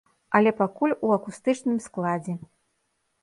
Але пакуль у акустычным складзе.